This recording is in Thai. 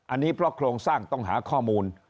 อันนี้เพราะโครงสร้างต้องหาข้อมูล